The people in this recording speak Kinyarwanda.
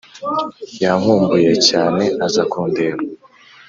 Yankumbuye cyane aza kundeba